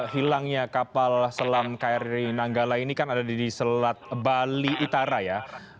hilangnya kapal selam kri nanggala ini kan ada di selat bali utara ya